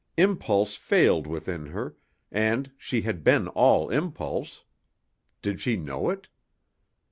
Impulse failed within her; and she had been all impulse? Did she know it?